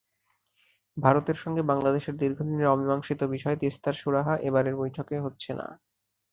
ভারতের সঙ্গে বাংলাদেশের দীর্ঘদিনের অমীমাংসিত বিষয় তিস্তার সুরাহা এবারের বৈঠকে হচ্ছে না।